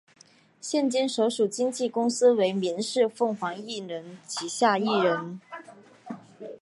现今所属经纪公司为民视凤凰艺能旗下艺人。